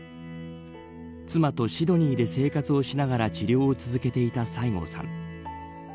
妻とシドニーで生活をしながら治療を続けていた西郷さん